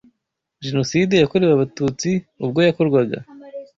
Jenoside yakorewe Abatutsi ubwo yakorwaga,